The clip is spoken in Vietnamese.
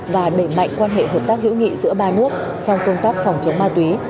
và đẩy mạnh quan hệ hợp tác hữu nghị giữa ba nước trong công tác phòng chống ma túy